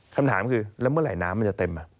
คำถามคือแล้วเมื่อไหร่น้ำมันจะเต็ม